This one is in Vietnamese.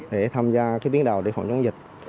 để tham gia cái tiến đào để phòng chống dịch